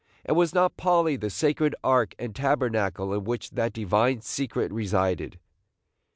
and was not Polly the sacred ark and tabernacle in which that divine secret resided?